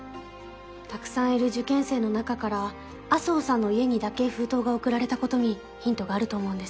たくさんいる受験生の中から麻生さんの家にだけ封筒が送られたことにヒントがあると思うんです。